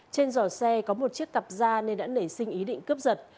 trên giỏ xe có một chiếc cặp da nên đã nảy sinh ý định cấp giật